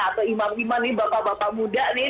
atau imam imam nih bapak bapak muda nih